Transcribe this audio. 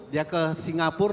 dia ke singapur